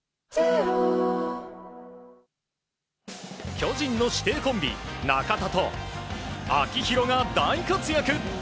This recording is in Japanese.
巨人の師弟コンビ中田と秋広が大活躍！